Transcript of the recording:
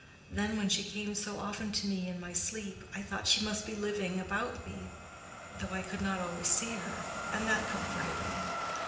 Then when she came so often to me, in my sleep, I thought she must be living about me though I could not always see her, and that comforted me.